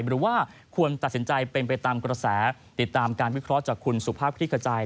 หรือว่าควรตัดสินใจเป็นไปตามกระแสติดตามการวิเคราะห์จากคุณสุภาพคลิกขจาย